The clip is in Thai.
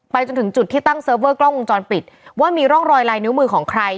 จนถึงจุดที่ตั้งเซิร์ฟเวอร์กล้องวงจรปิดว่ามีร่องรอยลายนิ้วมือของใคร